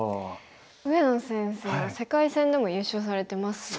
上野先生は世界戦でも優勝されてますもんね。